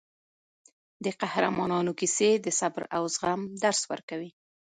د قهرمانانو کیسې د صبر او زغم درس ورکوي.